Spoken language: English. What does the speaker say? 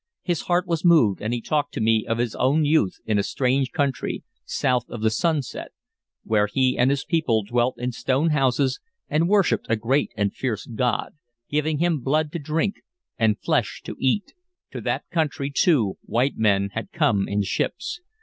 His heart was moved, and he talked to me of his own youth in a strange country, south of the sunset, where he and his people dwelt in stone houses and worshiped a great and fierce god, giving him blood to drink and flesh to eat. To that country, too, white men had come in ships.